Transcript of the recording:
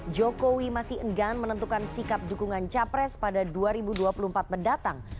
jokowi masih enggan menentukan sikap dukungan capres pada dua ribu dua puluh empat mendatang